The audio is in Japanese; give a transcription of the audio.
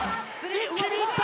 一気にいった！